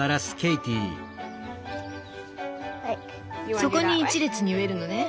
そこに一列に植えるのね。